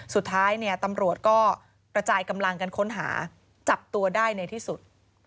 สุดท้ายเนี่ยตำรวจก็กระจายกำลังกันค้นหาจับตัวได้ในที่สุด